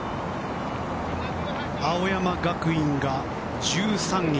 青山学院が１３位。